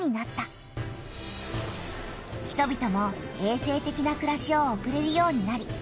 人びともえい生てきなくらしを送れるようになり